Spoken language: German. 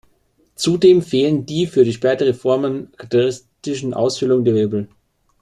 Zudem fehlen die für die spätere Formen charakteristische Aushöhlung der Wirbel.